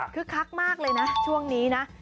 คือคักมากเลยนะช่วงนี้นะ